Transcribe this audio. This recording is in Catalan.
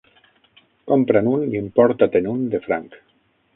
Compra'n un i emporta-te'n un de franc.